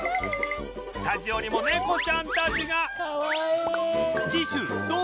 スタジオにも猫ちゃんたちが！